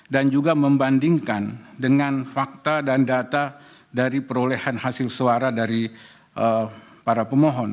dan juga membandingkan dengan fakta dan data dari perolehan hasil suara dari para pemohon